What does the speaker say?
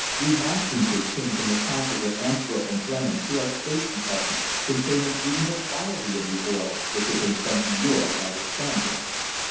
Remonstrances came from the consuls at Antwerp and Bremen to our State Department concerning even the quality of oil which had been sent to Europe by the Stand ard.